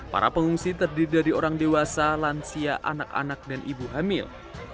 para pengungsi terdiri dari orang dewasa lansia anak anak dan ibu hamil